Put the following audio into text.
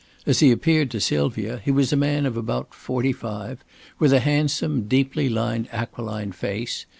As he appeared to Sylvia, he was a man of about forty five, with a handsome, deeply lined aquiline face.